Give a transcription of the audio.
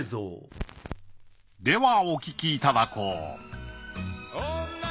ではお聞きいただこう